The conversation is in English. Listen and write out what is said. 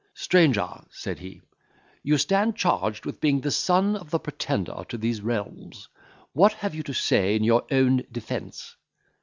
"Stranger," said he, "you stand charged with being son of the Pretender to these realms; what have you to say in your own defence?"